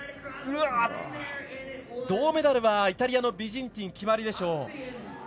銅メダルはイタリアのビジンティンで決まりでしょう。